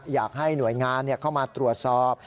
อยากให้หน่วยงานเข้ามาตรวจสอบ